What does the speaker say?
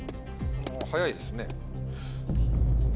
早いですね。